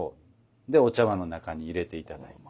でお茶碗の中に入れて頂いて。